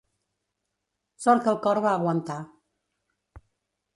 Sort que el cor va aguantar.